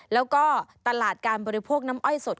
แล้วก็ตลาดการบริโภคน้ำอ้อยสด